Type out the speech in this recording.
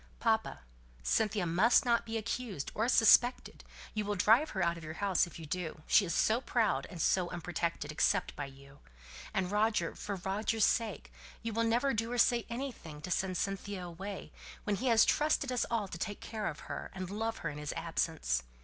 "Papa, Cynthia must not be accused, or suspected; you will drive her out of your house if you do, she is so proud, and so unprotected, except by you. And Roger, for Roger's sake, you will never do or say anything to send Cynthia away, when he has trusted us all to take care of her, and love her in his absence.